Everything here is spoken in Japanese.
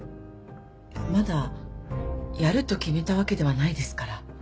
まだやると決めたわけではないですから。